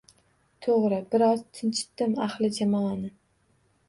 — To‘g‘ri… — bir oz tinchitdim ahli jamoani.